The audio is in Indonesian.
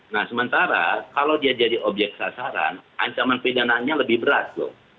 nah sementara kalau dia jadi objek sasaran ancaman pidananya lebih berat loh